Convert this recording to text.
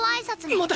待て！